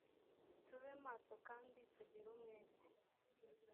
tube maso kandi tugire umwete